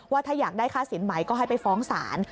ว่าถ้าอยากได้ค่าสินหมายก็ให้ไปฟ้องสาร